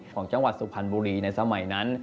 ของจังหวัดสุพรรณบุรีในสมัยนั้น